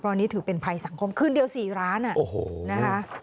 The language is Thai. เพราะวันนี้ถือเป็นภัยสังคมขึ้นเดียว๔ร้านนะ